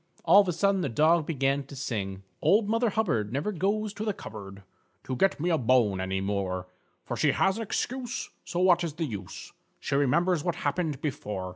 All of a sudden, the Dog began to sing: "_Old Mother Hubbard never goes to the cupboard To get me a bone any more; For she has an excuse, so what is the use? She remembers what happened before.